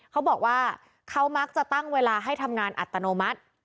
เขาบอกว่าเขามักจะตั้งเวลาให้ทำงานอัตโนมัติ